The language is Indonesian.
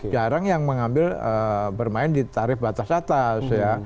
jarang yang mengambil bermain di tarif batas atas ya